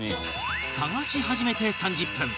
探し始めて３０分